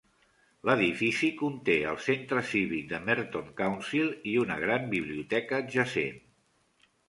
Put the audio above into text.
L'edifici conté el centre cívic de Merton Council i una gran biblioteca adjacent.